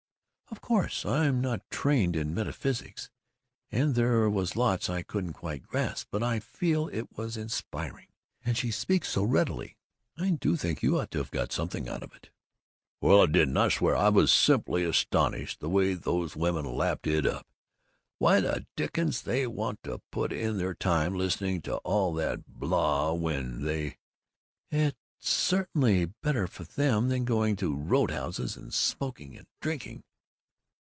"Of course I'm not trained in metaphysics, and there was lots I couldn't quite grasp, but I did feel it was inspiring. And she speaks so readily. I do think you ought to have got something out of it." "Well, I didn't! I swear, I was simply astonished, the way those women lapped it up! Why the dickens they want to put in their time listening to all that blaa when they " "It's certainly better for them than going to roadhouses and smoking and drinking!"